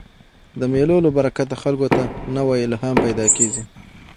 د مېلو له برکته خلکو ته نوی الهام پیدا کېږي.